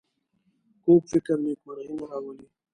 کوږ فکر نېکمرغي نه راولي